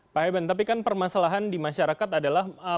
pak heben tapi kan permasalahan di masyarakat adalah